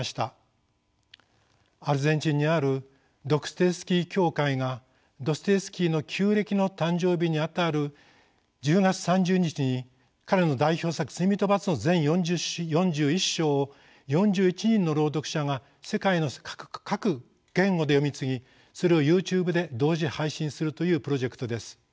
アルゼンチンにあるドストエフスキー協会がドストエフスキーの旧暦の誕生日にあたる１０月３０日に彼の代表作「罪と罰」の全４１章を４１人の朗読者が世界の各言語で読み継ぎそれをＹｏｕＴｕｂｅで同時配信するというプロジェクトです。